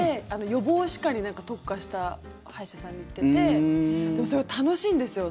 予防歯科に特化した歯医者さんに行っていてすごい楽しいんですよ。